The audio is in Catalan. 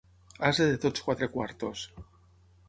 Ase de tots quatre quartos.